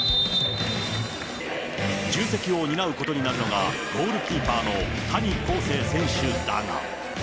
重責を担うことになるのが、ゴールキーパーの谷晃生選手だが。